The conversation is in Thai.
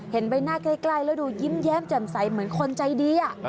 เห็นไปหน้ากล้ายแล้วดูยิ้มแย้มแจมใสเหมือนคนใจดีอ่ะ